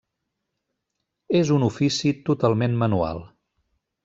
És un ofici totalment manual.